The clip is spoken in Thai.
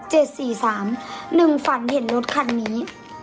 หนึ่งฝันเห็นรถคันนี้